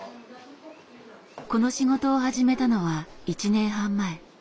この仕事を始めたのは１年半前。